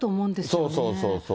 そうそうそうそう。